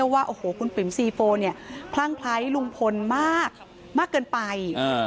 ว่าโอ้กคุณปิ๊มสีโฟพร่างไพร์รุงพลมากเกินไป